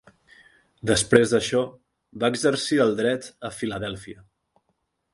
Després d'això va exercir el dret a Filadèlfia.